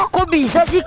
kok bisa sih